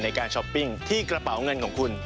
ช้อปปิ้งที่กระเป๋าเงินของคุณ